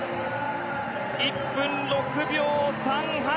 １分６秒３８。